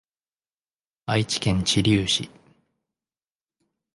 愛知県知立市